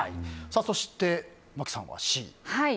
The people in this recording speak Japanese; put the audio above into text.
そして麻貴さんはＣ。